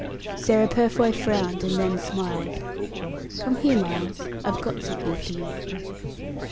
Sarah Purfoy frowned, and then smiled. "Come here, Miles; I've got something for you."